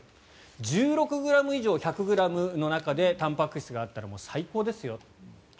１６ｇ以上、１００ｇの中でたんぱく質があったら最高ですよ。